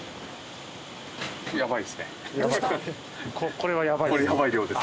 これはやばいですか？